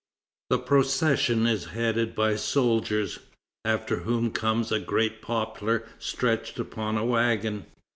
The procession is headed by soldiers, after whom comes a great poplar stretched upon a wagon.